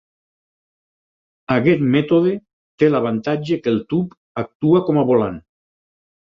Aquest mètode té l'avantatge que el tub actua com a volant.